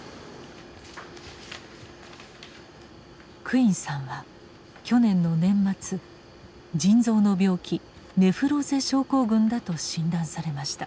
クインさんは去年の年末腎臓の病気ネフローゼ症候群だと診断されました。